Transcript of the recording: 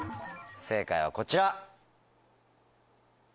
正解はこちら。